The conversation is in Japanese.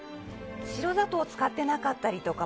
白砂糖を使ってなかったりとか。